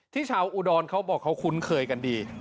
ชาวอุดรเขาบอกเขาคุ้นเคยกันดี